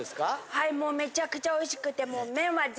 はいもうめちゃくちゃおいしくて。